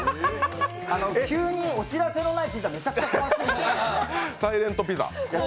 急にお知らせのないピザめちゃくちゃ怖すぎて。